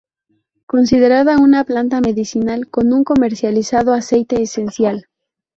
Considerada una planta medicinal con un comercializado aceite esencial.